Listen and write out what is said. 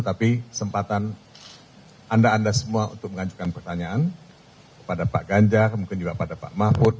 tapi kesempatan anda anda semua untuk mengajukan pertanyaan kepada pak ganjar mungkin juga pada pak mahfud